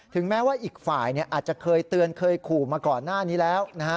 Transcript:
แม้ว่าอีกฝ่ายอาจจะเคยเตือนเคยขู่มาก่อนหน้านี้แล้วนะฮะ